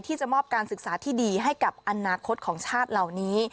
ที่จะมอบการศึกษาที่ดีให้กับอนาคตของชาติเหล่านี้